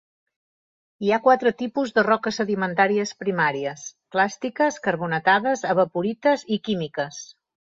Hi ha quatre tipus de roques sedimentàries primàries: clàstiques, carbonatades, evaporites i químiques.